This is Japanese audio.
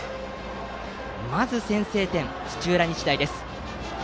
まず先制点の土浦日大です。